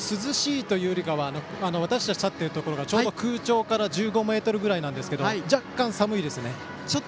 涼しいというよりかは私たち立っているところはちょうど空調から１５ｍぐらいで若干寒いです。